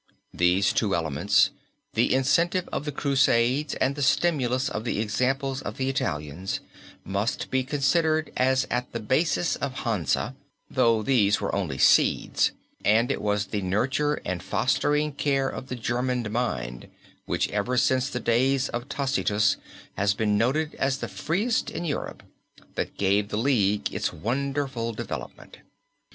These two elements, the incentive of the crusades and the stimulus of the example of the Italians, must be considered as at the basis of Hansa, though these were only seeds, and it was the nurture and fostering care of the German mind which ever since the days of Tacitus had been noted as the freest in Europe, that gave the League its wonderful development.